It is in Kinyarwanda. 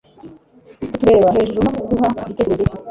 Kutureba hejuru no kuduha igitekerezo cye